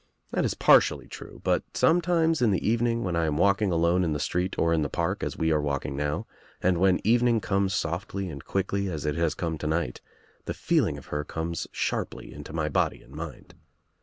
That is partially true but, sometimes in the evening when I am walking alone in the street or in the park as we are walking now, and when evening comes softly and quickly as It has come to night, the feeling of her comes sharply Into my body and mind.